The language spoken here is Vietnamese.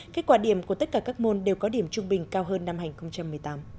kết quả điểm của tất cả các môn đều có điểm trung bình cao hơn năm hai nghìn một mươi tám